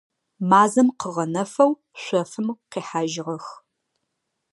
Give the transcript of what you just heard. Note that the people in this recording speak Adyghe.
Мазэм къыгъэнэфэу шъофым къихьажьыгъэх.